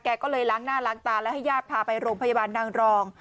ก็เลยล้างหน้าล้างตาแล้วให้ญาติพาไปโรงพยาบาลนางรอง